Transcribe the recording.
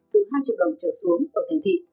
từ hai triệu đồng trở xuống ở thành thị